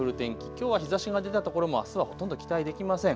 きょうは日ざしが出た所もあすはほとんど期待できません。